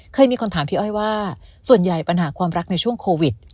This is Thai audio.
เคยมีคนถามพี่อ้อยว่าส่วนใหญ่ปัญหาความรักในช่วงโควิด